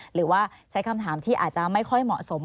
หรือว่าใช้คำถามที่อาจจะไม่ค่อยเหมาะสม